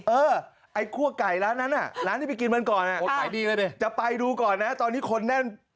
เอ๊ะไอ้ครัวไก่ร้านนั้นน่ะร้านที่ไปกินมันก่อนน่ะจะไปดูก่อนนะตอนนี้คนแน่น